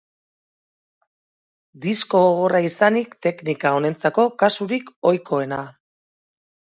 Disko gogorra izanik teknika honentzako kasurik ohikoena.